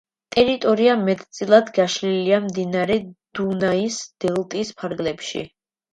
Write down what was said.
ტერიტორია მეტწილად გაშლილია მდინარე დუნაის დელტის ფარგლებში.